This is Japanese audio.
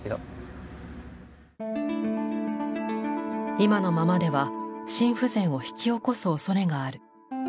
今のままでは心不全を引き起こす恐れがある。